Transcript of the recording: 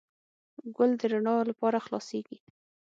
ګل د رڼا لپاره خلاصیږي.